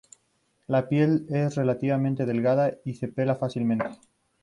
La piel es relativamente delgada y se pela fácilmente.